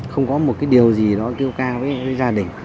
không có một cái điều gì đó kêu ca với gia đình